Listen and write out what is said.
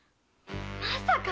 まさか！